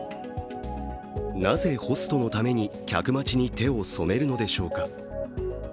なぜホストのために客待ちに手を染めるのでしょうか。